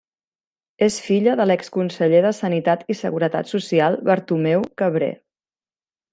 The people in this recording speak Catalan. És filla de l'exconseller de Sanitat i Seguretat Social Bartomeu Cabrer.